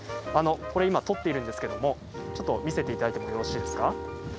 これ今、取っているんですけどちょっと見せていただいてもよろしいですか？